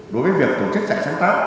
đối với việc tổ chức trại sáng tác